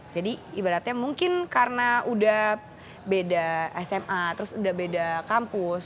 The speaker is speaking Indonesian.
jadi ibaratnya mungkin karena udah beda sma terus udah beda kampus